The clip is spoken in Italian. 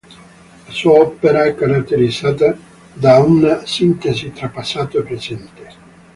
La sua opera è caratterizzata da una sintesi tra passato e presente.